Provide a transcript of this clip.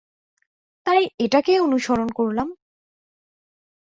তাই, এটাকেই অনুসরণ করলাম।